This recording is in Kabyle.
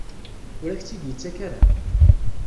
Ur ak-tt-id-yettak ara?